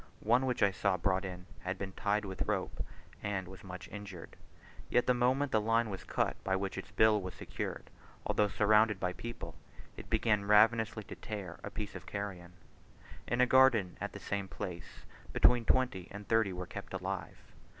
One which I saw brought in, had been tied with rope, and was much injured; yet, the moment the line was cut by which its bill was secured, although surrounded by people, it began ravenously to tear a piece of carrion. In a garden at the same place, between twenty and thirty were kept alive.